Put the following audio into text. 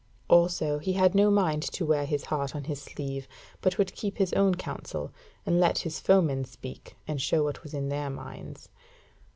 Also he had no mind to wear his heart on his sleeve, but would keep his own counsel, and let his foemen speak and show what was in their minds.